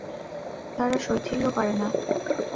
তারা শৈথিল্য করে না।